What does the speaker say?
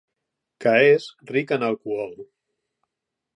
Que és ric en alcohol.